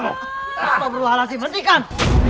bapak perlu alasi mentikan